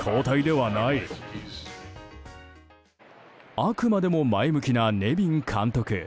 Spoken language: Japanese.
あくまでも前向きなネビン監督。